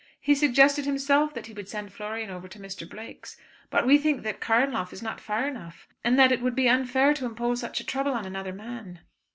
He suggested himself that he would send Florian over to Mr. Blake's; but we think that Carnlough is not far enough, and that it would be unfair to impose such a trouble on another man."